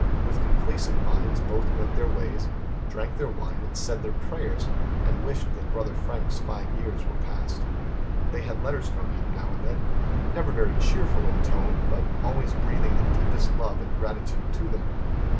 With complacent minds both went their ways, drank their wine, and said their prayers, and wished that brother Frank's five years were past. They had letters from him now and then, never very cheerful in tone, but always breathing the deepest love and gratitude to them.